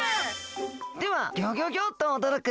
ではギョギョギョっとおどろく